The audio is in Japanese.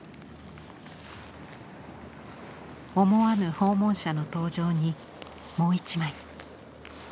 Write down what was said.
思わぬ訪問者の登場にもう一枚。